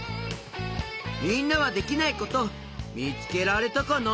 みんなはできないことみつけられたかな？